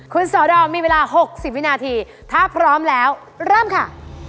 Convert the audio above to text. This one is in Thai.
คุณสอดอมมีเวลา๖๐วินาทีถ้าพร้อมแล้วเริ่มค่ะ